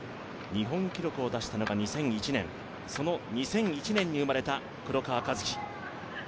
日本記録を出したのが２００１年その２００１年に生まれた黒川和樹。